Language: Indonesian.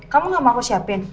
kamu gak mau aku siapin